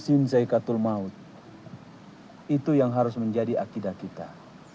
itu yang harus menjadi akidah kita